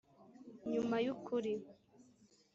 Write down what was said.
nyuma yukuri